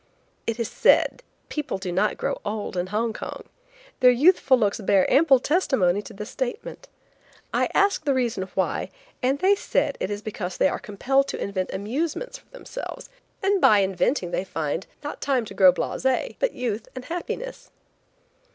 It is said people do not grow old in Hong Kong. Their youthful looks bear ample testimony to the statement. I asked the reason why, and they said it is because they are compelled to invent amusements for themselves, and by inventing they find, not time to grow blasé, but youth and happiness.